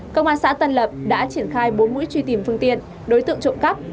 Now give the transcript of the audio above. công an xã tân lập đã triển khai bốn mũi truy tìm phương tiện đối tượng trộm cắp